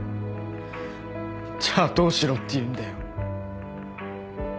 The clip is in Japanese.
じゃあどうしろって言うんだよ？